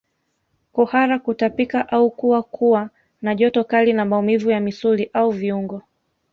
Kuhara kutapika au kuwa kuwa na joto kali na maumivu ya misuli au viungo